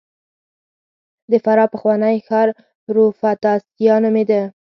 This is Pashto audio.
د فراه پخوانی ښار پروفتاسیا نومېده